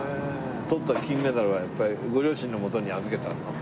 とった金メダルはやっぱりご両親の元に預けてあるの？